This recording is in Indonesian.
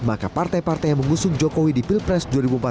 maka partai partai yang mengusung jokowi di pilpres dua ribu empat belas